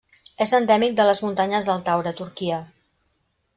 És endèmic de les Muntanyes del Taure a Turquia.